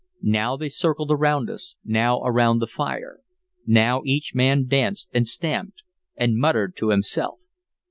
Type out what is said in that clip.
Now they circled around us, now around the fire; now each man danced and stamped and muttered to himself.